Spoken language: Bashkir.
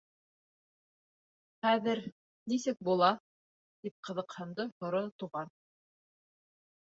— Хәҙер... нисек була? — тип ҡыҙыҡһынды һоро Туған.